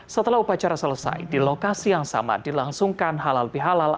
setelah upacara selesai di lokasi yang sama dilangsungkan halal bihalal